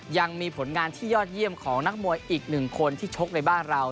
ยังมีผลงานที่ยอดเยี่ยมของนักมวยอีกหนึ่งคนที่ชกในบ้านเรา